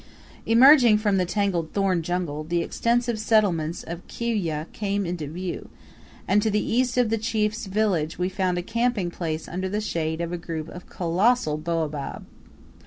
Emerging from the entangled thorn jungle, the extensive settlements of Kiwyeh came into view; and to the east of the chief's village we found a camping place under the shade of a group of colossal baobab.